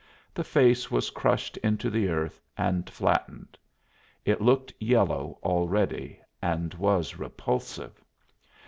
The face was crushed into the earth and flattened. It looked yellow already, and was repulsive.